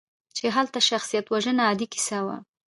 چې هلته شخصیتوژنه عادي کیسه وه.